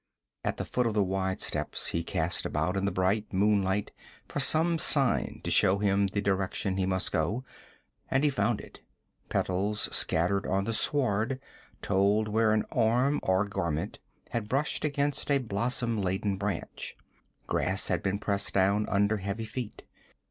At the foot of the wide steps he cast about in the bright moonlight for some sign to show him the direction he must go. And he found it petals scattered on the sward told where an arm or garment had brushed against a blossom laden branch. Grass had been pressed down under heavy feet.